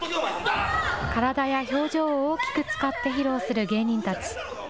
体や表情を大きく使って披露する芸人たち。